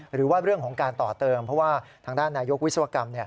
หรือว่าเรื่องของการต่อเติมเพราะว่าทางด้านนายกวิศวกรรม